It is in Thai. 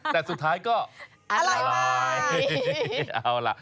แต่สุดท้ายก็อร่อยมาก